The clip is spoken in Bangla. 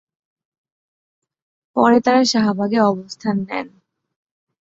পরে তাঁরা শাহবাগে অবস্থান নেন।